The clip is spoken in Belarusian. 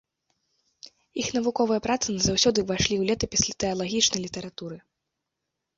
Іх навуковыя працы назаўсёды ўвайшлі ў летапіс тэалагічнай літаратуры.